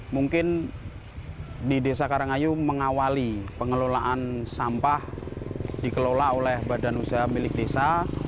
mungkin di desa karangayu mengawali pengelolaan sampah dikelola oleh badan usaha milik desa